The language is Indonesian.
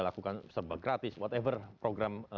lakukan serba gratis wthever program